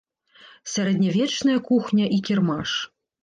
Сярэднявечная кухня і кірмаш.